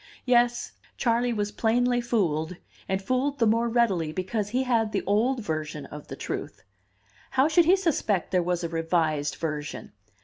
Yes, Charley was plainly fooled, and fooled the more readily because he had the old version of the truth. How should he suspect there was a revised version?